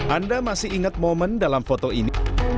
anda masih ingat momen dalam foto ini